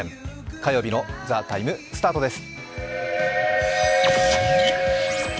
火曜日の「ＴＨＥＴＩＭＥ，」スタートです